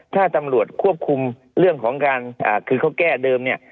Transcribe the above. ถ้าตำรวจควบคุมเรื่องของการคือเขาแก้เดิมเนี่ย